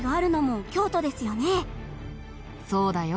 そうだよ。